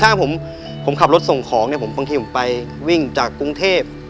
ถ้าผมขับรถส่งของเนี่ยบางทีผมไปวิ่งจากกรุงเทพ